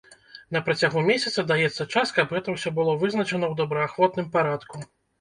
На працягу месяца даецца час, каб гэта ўсё было вызначана ў добраахвотным парадку.